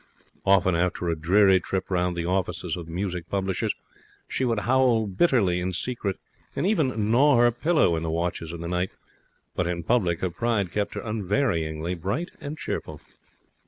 Often, after a dreary trip round the offices of the music publishers, she would howl bitterly in secret, and even gnaw her pillow in the watches of the night; but in public her pride kept her unvaryingly bright and cheerful.